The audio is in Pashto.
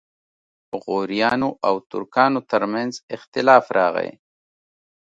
غوریانو او ترکانو ترمنځ اختلاف راغی.